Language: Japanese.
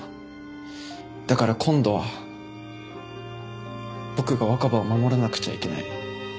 だから今度は僕が若葉を守らなくちゃいけない。